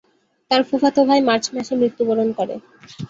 তার ফুফাতো ভাই মার্চ মাসে মৃত্যুবরণ করে।